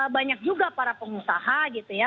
banyak juga para pengusaha gitu ya